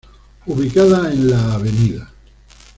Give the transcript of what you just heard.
Ubicada en la Av.